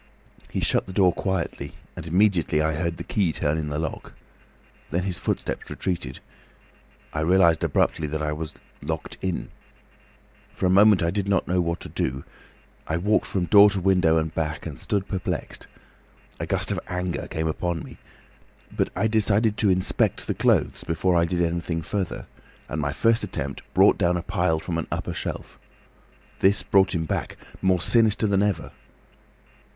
"He shut the door quietly, and immediately I heard the key turn in the lock. Then his footsteps retreated. I realised abruptly that I was locked in. For a minute I did not know what to do. I walked from door to window and back, and stood perplexed. A gust of anger came upon me. But I decided to inspect the clothes before I did anything further, and my first attempt brought down a pile from an upper shelf. This brought him back, more sinister than ever.